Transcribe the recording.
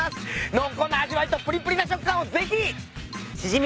濃厚な味わいとぷりぷりな食感をぜひ！